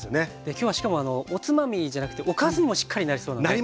今日はしかもおつまみじゃなくておかずにもしっかりなりそうなね。